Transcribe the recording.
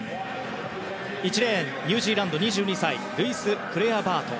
１レーン、ニュージーランド２２歳、ルイス・クレアバート。